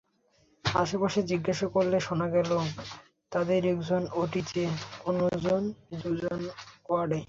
আশপাশে জিজ্ঞেস করলে শোনা গেল, তাঁদের একজন ওটিতে, অন্য দুজন ওয়ার্ডে।